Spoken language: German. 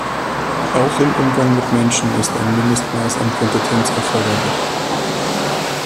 Auch im Umgang mit Menschen ist ein Mindestmaß an Kompetenz erforderlich.